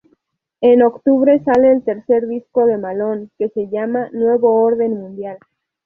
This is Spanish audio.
En octubre sale el tercer disco de Malón, que se llama Nuevo orden mundial.